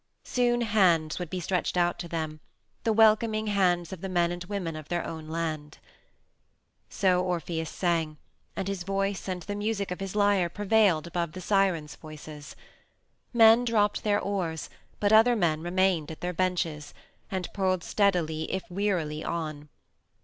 Soon hands would be stretched out to them the welcoming hands of the men and women of their own land. So Orpheus sang, and his voice and the music of his lyre prevailed above the Sirens' voices. Men dropped their oars, but other men remained at their benches, and pulled steadily, if wearily, on.